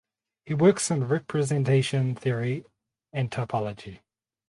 He works in representation theory and topology.